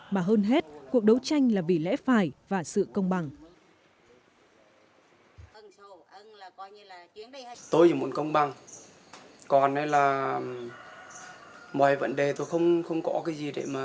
mà hơn hết cuộc đấu tranh là vì lẽ phải và sự công bằng